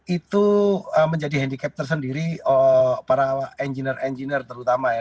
itu menjadi handicap tersendiri para engineer engineer terutama ya